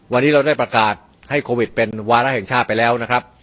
วันนี้เราได้ประกาศให้โควิดเป็นวาระแห่งชาติไปแล้วนะครับ